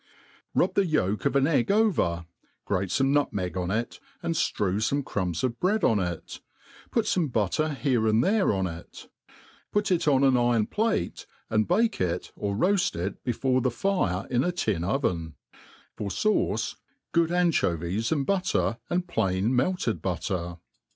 Rub the yolk of an egg over ; grate fome nutnaeg on it, and ftrew fome crumbs of bread on it \ put fome butter here and there on \U Put it on an irorl plate, and bake it, or roaft it before the fire in a tin oven ; for fauce good an* Chovies and butter, and plain melted butter.